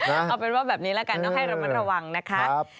เอาเป็นว่าแบบนี้ละกันต้องให้ระมัดระวังนะคะ